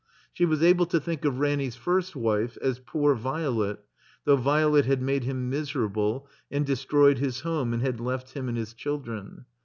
She was able to think of Ranny 's first wife as poor Violet, though Violet had made him miserable and destroyed his home and had left him and his children.